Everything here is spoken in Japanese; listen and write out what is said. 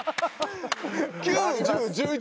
９１０１１